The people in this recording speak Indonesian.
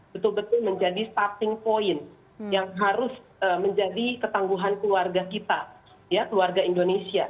betul betul menjadi starting point yang harus menjadi ketangguhan keluarga kita ya keluarga indonesia